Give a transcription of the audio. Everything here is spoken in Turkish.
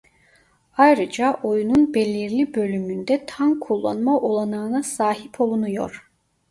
Ayrıca oyunun belirli bölümünde tank kullanma olanağına sahip olunuyor.